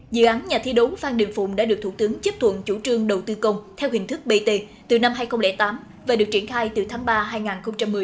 dự án nhà thi đấu phan đình phùng đã được thủ tướng chấp thuận chủ trương đầu tư công theo hình thức bt từ năm hai nghìn tám và được triển khai từ tháng ba hai nghìn một mươi